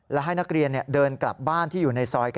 และให้นักเรียนเดินกลับบ้านที่อยู่ในซอย๙